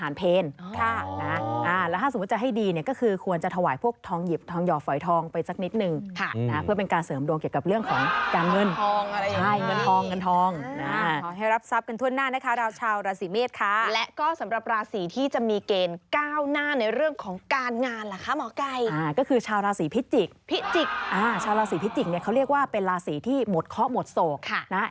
นทุกคนเลยแหละก็มีบบตั้งก็มีส่วนที่รักซึ่มแล้วก็จะมีถ้าเราแต่สื่อสมความพักก็กลับซึ่ง